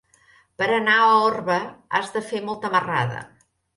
Per anar a Orba has de fer molta marrada.